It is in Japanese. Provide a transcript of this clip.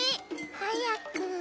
はやく。